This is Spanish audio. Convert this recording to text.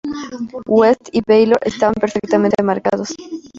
West y Baylor estaban perfectamente marcados.